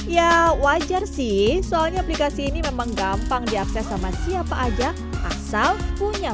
ya wajar sih soalnya aplikasi ini memang gampang diakses sama siapa aja asal punya